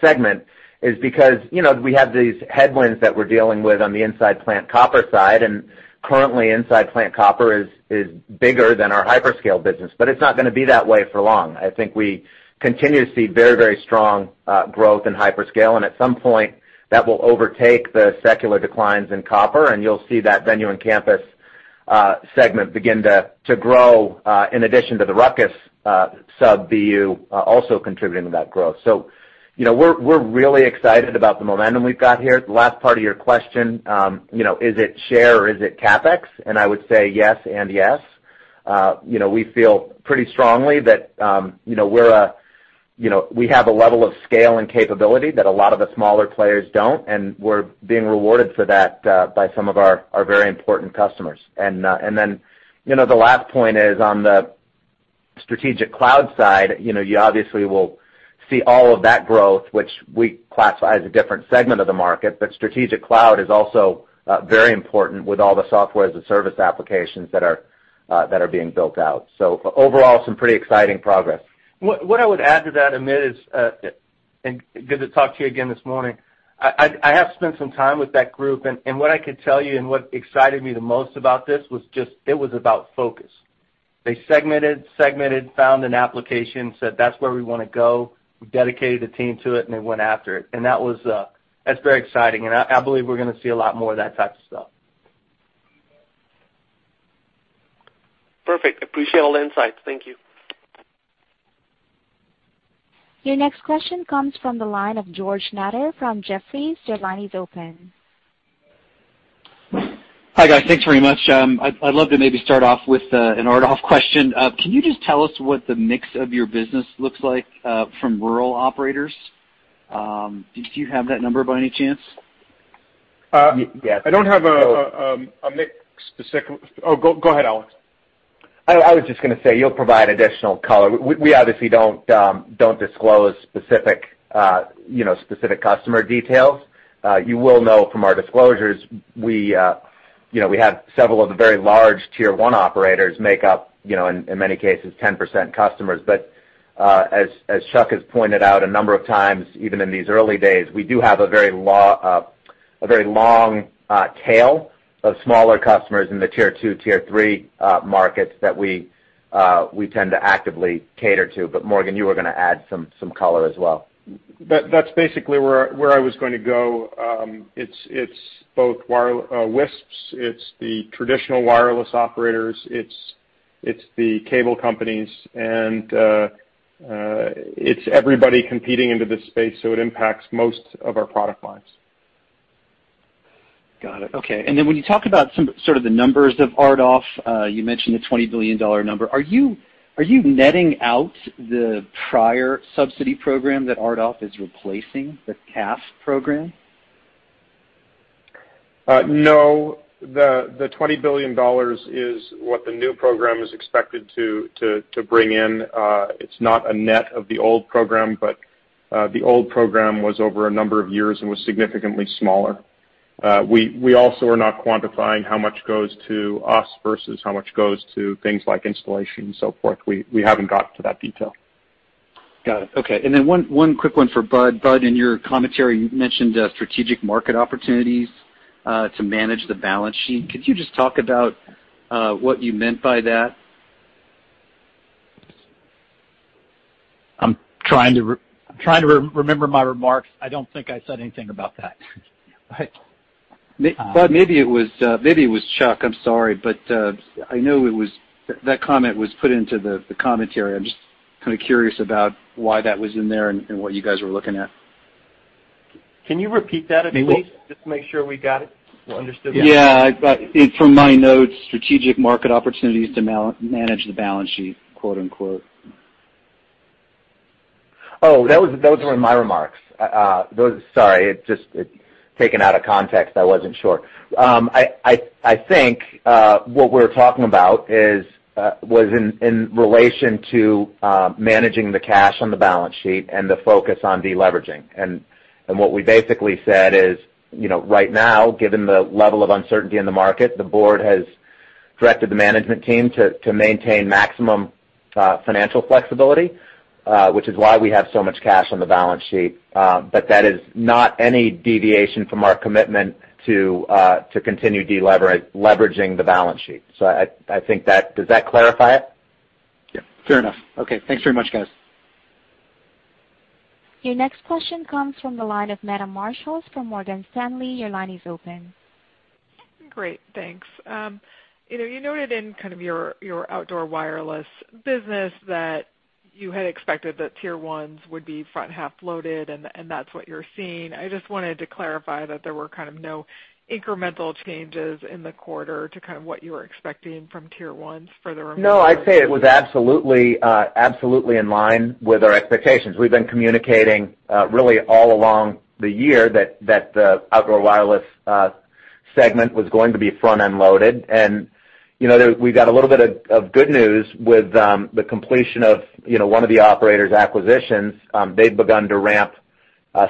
segment is because we have these headwinds that we're dealing with on the inside plant copper side, and currently inside plant copper is bigger than our hyperscale business, but it's not going to be that way for long. I think we continue to see very strong growth in hyperscale, and at some point that will overtake the secular declines in copper, you'll see that venue and campus segment begin to grow, in addition to the RUCKUS sub BU, also contributing to that growth. We're really excited about the momentum we've got here. The last part of your question, is it share or is it CapEx? I would say yes and yes. We feel pretty strongly that we have a level of scale and capability that a lot of the smaller players don't, and we're being rewarded for that by some of our very important customers. The last point is on the strategic cloud side, you obviously will see all of that growth, which we classify as a different segment of the market. Strategic cloud is also very important with all the Software as a Service applications that are being built out. Overall, some pretty exciting progress. What I would add to that, Amit, is. Good to talk to you again this morning. I have spent some time with that group, and what I could tell you and what excited me the most about this was just, it was about focus. They segmented, found an application, said that's where we want to go. We dedicated a team to it, and they went after it. That's very exciting, and I believe we're going to see a lot more of that type of stuff. Perfect. Appreciate all the insights. Thank you. Your next question comes from the line of George Notter from Jefferies. Your line is open. Hi, guys. Thanks very much. I'd love to maybe start off with an RDOF question. Can you just tell us what the mix of your business looks like from rural operators? Do you have that number by any chance? Yes. I don't have a mix. Oh, go ahead, Alex. I was just going to say, you'll provide additional color. We obviously don't disclose specific customer details. You will know from our disclosures, we have several of the very large tier one operators make up, in many cases, 10% customers. As Chuck has pointed out a number of times, even in these early days, we do have a very long tail of smaller customers in the tier two, tier three markets that we tend to actively cater to. Morgan, you were going to add some color as well. That's basically where I was going to go. It's both WISPs, it's the traditional wireless operators, it's the cable companies, and it's everybody competing into this space, so it impacts most of our product lines. Got it. Okay. When you talk about sort of the numbers of RDOF, you mentioned the $20 billion number. Are you netting out the prior subsidy program that RDOF is replacing, the CAF program? No. The $20 billion is what the new program is expected to bring in. It's not a net of the old program. The old program was over a number of years and was significantly smaller. We also are not quantifying how much goes to us versus how much goes to things like installation and so forth. We haven't gotten to that detail. Got it. Okay. One quick one for Bud. Bud, in your commentary, you mentioned strategic market opportunities to manage the balance sheet. Could you just talk about what you meant by that? I'm trying to remember my remarks. I don't think I said anything about that. Bud, maybe it was Chuck. I'm sorry, but I know that comment was put into the commentary. I'm just kind of curious about why that was in there and what you guys were looking at. Can you repeat that, if you would? Just to make sure we got it, or understood that. Yeah. From my notes, "Strategic market opportunities to manage the balance sheet," quote unquote. Those were my remarks. Sorry, it's just taken out of context, I wasn't sure. I think what we're talking about was in relation to managing the cash on the balance sheet and the focus on deleveraging. What we basically said is, right now, given the level of uncertainty in the market, the board has directed the management team to maintain maximum financial flexibility, which is why we have so much cash on the balance sheet. That is not any deviation from our commitment to continue de-leveraging the balance sheet. I think that, does that clarify it? Yeah, fair enough. Okay. Thanks very much, guys. Your next question comes from the line of Meta Marshall from Morgan Stanley. Your line is open. Great, thanks. You noted in your outdoor wireless business that you had expected that Tier 1s would be front-half loaded, and that's what you're seeing. I just wanted to clarify that there were no incremental changes in the quarter to what you were expecting from tier one's for the remainder. No, I'd say it was absolutely in line with our expectations. We've been communicating really all along the year that the outdoor wireless segment was going to be front-end loaded. We got a little bit of good news with the completion of one of the operators' acquisitions. They've begun to ramp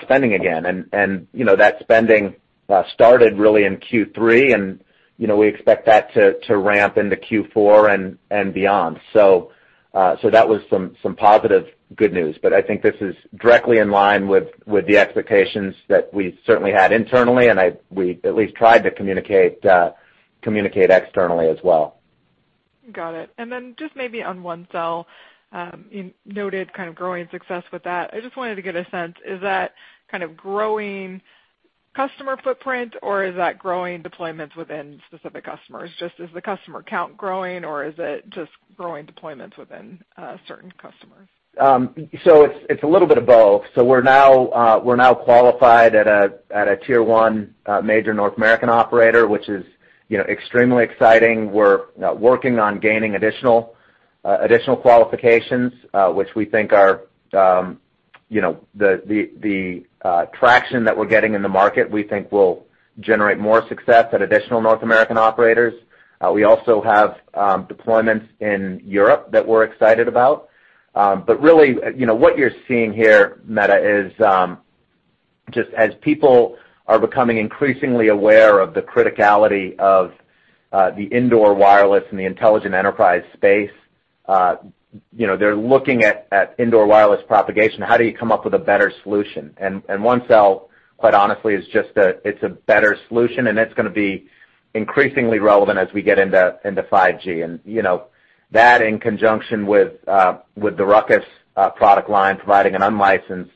spending again, and that spending started really in Q3, and we expect that to ramp into Q4 and beyond. That was some positive good news, but I think this is directly in line with the expectations that we certainly had internally, and we at least tried to communicate externally as well. Got it. Just maybe on ONECELL, you noted growing success with that. I just wanted to get a sense. Is that growing customer footprint, or is that growing deployments within specific customers? Just as the customer count growing, or is it just growing deployments within certain customers? It's a little bit of both. We're now qualified at a Tier 1 major North American operator, which is extremely exciting. We're working on gaining additional qualifications, which the traction that we're getting in the market, we think will generate more success at additional North American operators. We also have deployments in Europe that we're excited about. Really, what you're seeing here, Meta, is just as people are becoming increasingly aware of the criticality of the indoor wireless and the intelligent enterprise space, they're looking at indoor wireless propagation. How do you come up with a better solution? ONECELL, quite honestly, it's a better solution, and it's going to be increasingly relevant as we get into 5G. That in conjunction with the Ruckus product line providing an unlicensed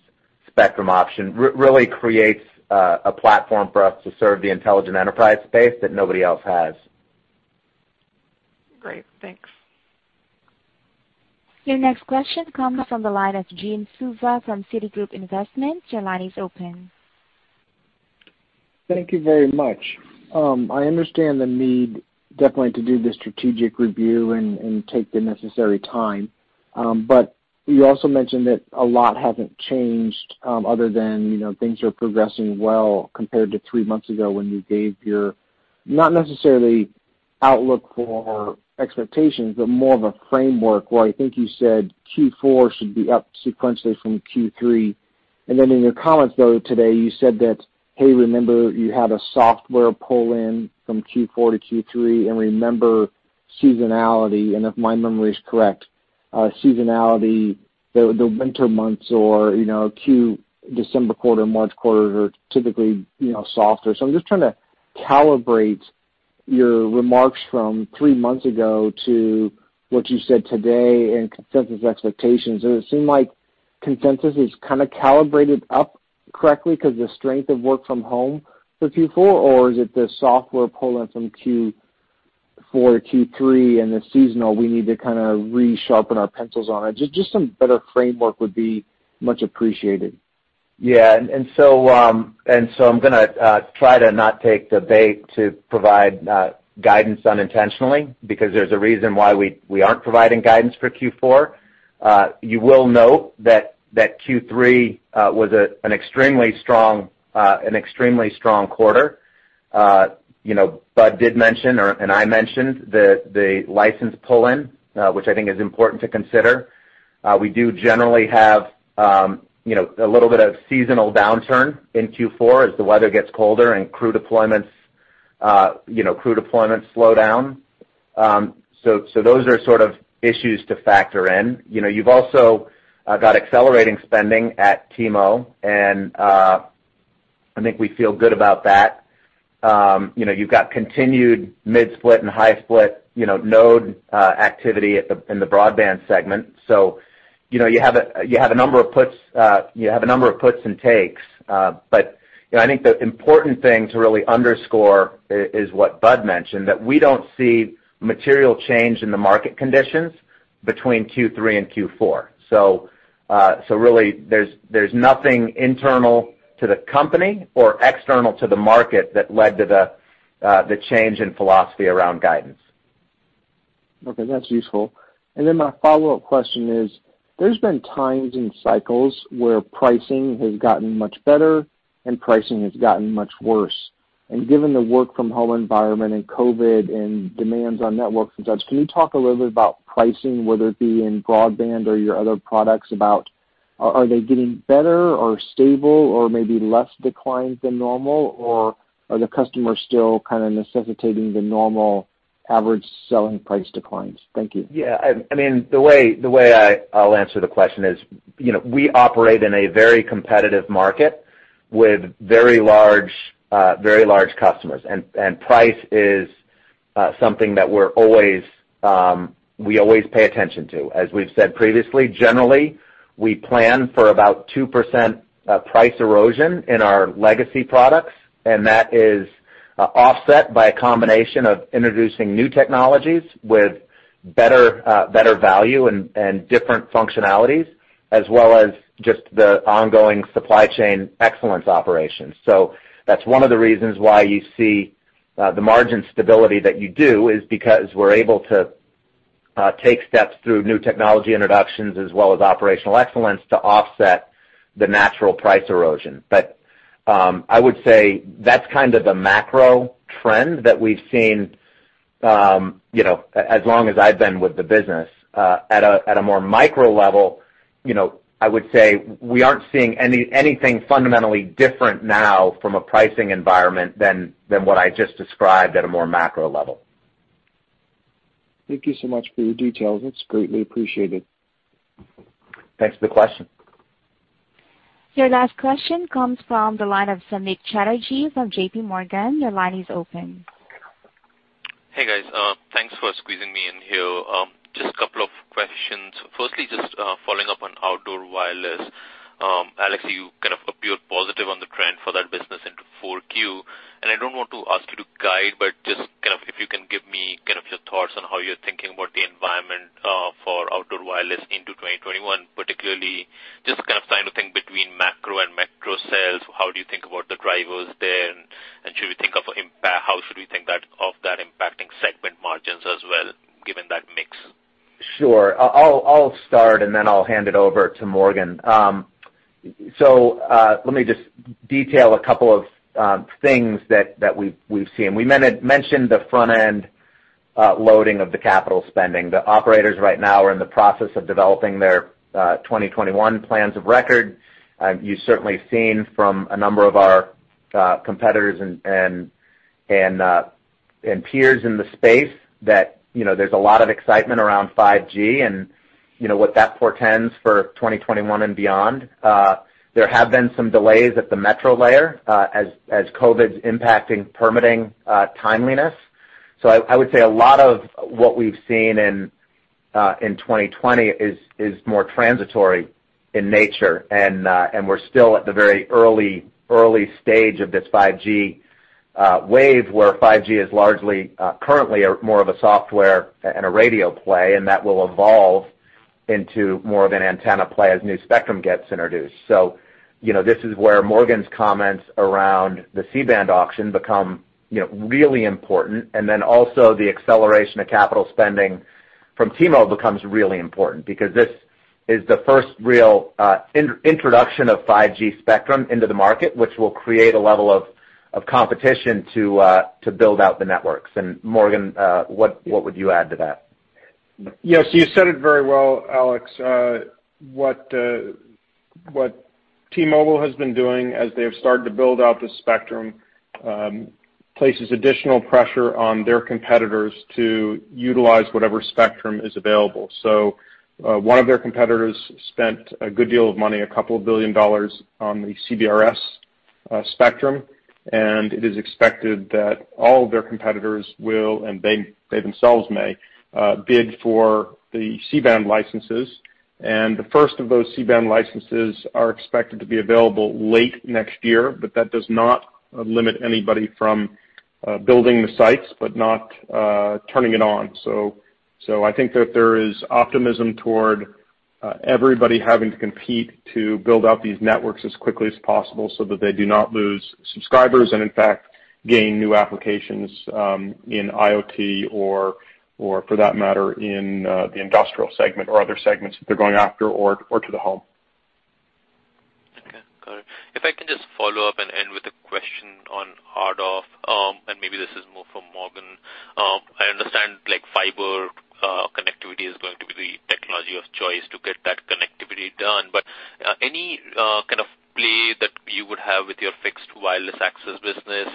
spectrum option, really creates a platform for us to serve the intelligent enterprise space that nobody else has. Great, thanks. Your next question comes from the line of Jim Suva from Citigroup. Your line is open. Thank you very much. I understand the need definitely to do the strategic review and take the necessary time. You also mentioned that a lot hasn't changed other than things are progressing well compared to three months ago when you gave your, not necessarily outlook for expectations, but more of a framework where I think you said Q4 should be up sequentially from Q3. In your comments, though, today, you said that, "Hey, remember, you had a software pull-in from Q4-Q3, and remember seasonality." If my memory is correct, seasonality, the winter months or December quarter, March quarters are typically softer. I'm just trying to calibrate your remarks from three months ago to what you said today and consensus expectations. Does it seem like consensus is kind of calibrated up correctly because the strength of work from home for Q4, or is it the software pull-in from Q4-Q3 and the seasonal we need to kind of resharpen our pencils on it? Just some better framework would be much appreciated. Yeah. I'm going to try to not take the bait to provide guidance unintentionally, because there's a reason why we aren't providing guidance for Q4. You will note that Q3 was an extremely strong quarter. Bud did mention, and I mentioned the license pull-in, which I think is important to consider. We do generally have a little bit of seasonal downturn in Q4 as the weather gets colder and crew deployments slow down. Those are sort of issues to factor in. You've also got accelerating spending at T-Mobile, and I think we feel good about that. You've got continued mid-split and high-split node activity in the broadband segment. You have a number of puts and takes. I think the important thing to really underscore is what Bud mentioned, that we don't see material change in the market conditions between Q3 and Q4. Really, there's nothing internal to the company or external to the market that led to the change in philosophy around guidance. Okay, that's useful. My follow-up question is, there's been times in cycles where pricing has gotten much better and pricing has gotten much worse. Given the work from home environment and COVID and demands on networks and such, can you talk a little bit about pricing, whether it be in broadband or your other products? Are they getting better or stable or maybe less decline than normal? Or are the customers still kind of necessitating the normal average selling price declines? Thank you. Yeah. The way I'll answer the question is, we operate in a very competitive market with very large customers. Price is something that we always pay attention to. As we've said previously, generally, we plan for about 2% price erosion in our legacy products, and that is offset by a combination of introducing new technologies with better value and different functionalities, as well as just the ongoing supply chain excellence operations. That's one of the reasons why you see the margin stability that you do, is because we're able to take steps through new technology introductions as well as operational excellence to offset the natural price erosion. I would say that's kind of the macro trend that we've seen, as long as I've been with the business. At a more micro level, I would say we aren't seeing anything fundamentally different now from a pricing environment than what I just described at a more macro level. Thank you so much for your details. It's greatly appreciated. Thanks for the question. Your last question comes from the line of Samik Chatterjee from JPMorgan. Your line is open. Hey, guys. Thanks for squeezing me in here. Just a couple of questions. Firstly, just following up on outdoor wireless. Alex, you kind of appeared positive on the trend for that business into 4Q. I don't want to ask you to guide, but just if you can give me your thoughts on how you're thinking about the environment for outdoor wireless into 2021, particularly just kind of trying to think between macro and metro cells, how do you think about the drivers there, and how should we think of that impacting segment margins as well, given that mix? Sure. I'll start, and then I'll hand it over to Morgan. Let me just detail a couple of things that we've seen. We mentioned the front-end loading of the capital spending. The operators right now are in the process of developing their 2021 plans of record. You've certainly seen from a number of our competitors and peers in the space that there's a lot of excitement around 5G and what that portends for 2021 and beyond. There have been some delays at the metro layer as COVID's impacting permitting timeliness. I would say a lot of what we've seen in 2020 is more transitory in nature, and we're still at the very early stage of this 5G wave, where 5G is largely currently more of a software and a radio play, and that will evolve into more of an antenna play as new spectrum gets introduced. This is where Morgan's comments around the C-band auction become really important, and then also the acceleration of capital spending from T-Mobile becomes really important because this is the first real introduction of 5G spectrum into the market, which will create a level of competition to build out the networks. Morgan, what would you add to that? Yes, you said it very well, Alex. What T-Mobile has been doing as they've started to build out the spectrum places additional pressure on their competitors to utilize whatever spectrum is available. One of their competitors spent a good deal of money, a couple of billion dollars on the CBRS spectrum, and it is expected that all of their competitors will, and they themselves may, bid for the C-band licenses. The first of those C-band licenses are expected to be available late next year, but that does not limit anybody from building the sites but not turning it on. I think that there is optimism toward everybody having to compete to build out these networks as quickly as possible so that they do not lose subscribers and, in fact, gain new applications in IoT or for that matter, in the industrial segment or other segments that they're going after or to the home. Okay, got it. If I can just follow up and end with a question on RDOF, and maybe this is more for Morgan. I understand fiber connectivity is going to be the technology of choice to get that connectivity done. Any kind of play that you would have with your fixed wireless access business?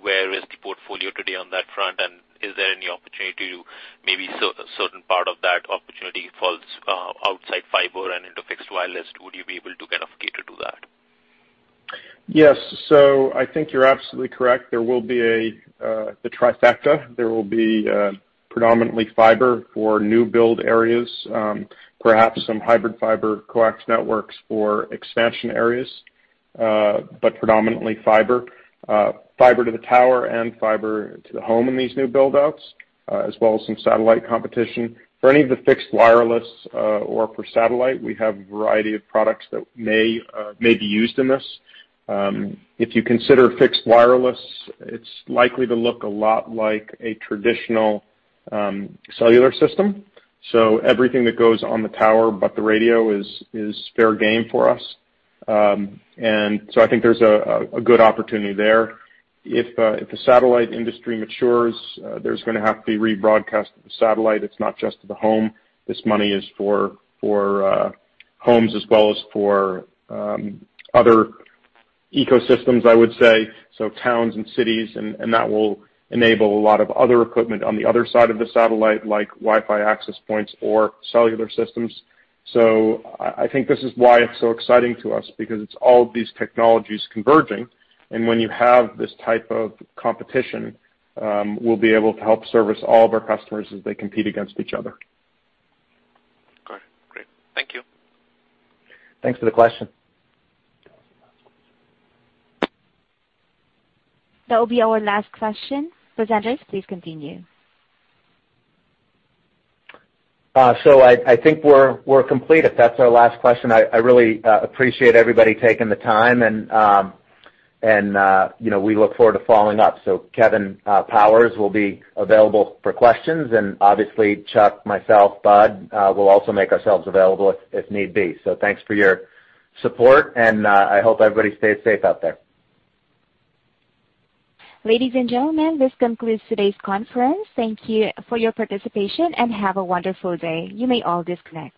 Where is the portfolio today on that front, and is there any opportunity to maybe certain part of that opportunity falls outside fiber and into fixed wireless? Would you be able to kind of cater to that? Yes. I think you're absolutely correct. There will be the trifecta. There will be predominantly fiber for new build areas. Perhaps some hybrid fiber coax networks for expansion areas. Predominantly fiber. Fiber to the tower and fiber to the home in these new build-outs, as well as some satellite competition. For any of the fixed wireless or for satellite, we have a variety of products that may be used in this. If you consider fixed wireless, it's likely to look a lot like a traditional cellular system. Everything that goes on the tower but the radio is fair game for us. I think there's a good opportunity there. If the satellite industry matures, there's going to have to be rebroadcast of the satellite. It's not just the home. This money is for homes as well as for other ecosystems, I would say, so towns and cities, and that will enable a lot of other equipment on the other side of the satellite, like Wi-Fi access points or cellular systems. I think this is why it's so exciting to us, because it's all these technologies converging, and when you have this type of competition, we'll be able to help service all of our customers as they compete against each other. Got it. Great. Thank you. Thanks for the question. That will be our last question. Presenters, please continue. I think we're complete if that's our last question. I really appreciate everybody taking the time, and we look forward to following up. Kevin Powers will be available for questions, and obviously Chuck, myself, Bud will also make ourselves available if need be. Thanks for your support, and I hope everybody stays safe out there. Ladies and gentlemen, this concludes today's conference. Thank you for your participation, and have a wonderful day. You may all disconnect.